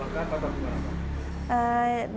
lengkar atau dengan apa